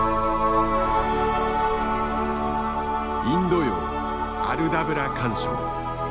インド洋アルダブラ環礁。